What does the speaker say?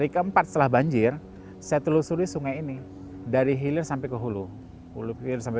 keempat setelah banjir saya telusuri sungai ini dari hilir sampai ke hulu hulu hilir sampai